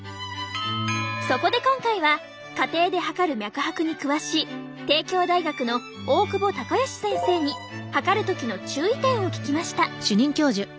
そこで今回は家庭で測る脈拍に詳しい帝京大学の大久保孝義先生に測る時の注意点を聞きました。